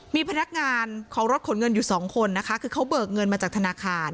มีพนักงานของรถขนเงินอยู่สองคนนะคะคือเขาเบิกเงินมาจากธนาคาร